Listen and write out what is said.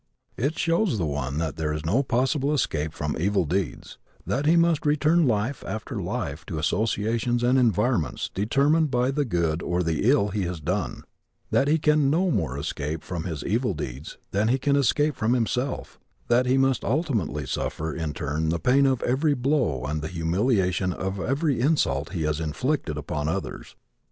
It shows the one that there is no possible escape from evil deeds; that he must return life after life to associations and environments determined by the good or the ill he has done; that he can no more escape from his evil deeds than he can escape from himself; that he must ultimately suffer in turn the pain of every blow and the humiliation of every insult he has inflicted upon others.